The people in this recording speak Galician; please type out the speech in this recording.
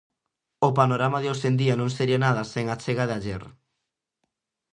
O panorama de hoxe en día non sería nada sen a achega de Aller.